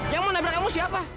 yang mau nabrak kamu siapa